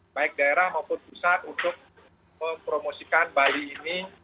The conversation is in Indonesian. baik daerah maupun pusat untuk mempromosikan bali ini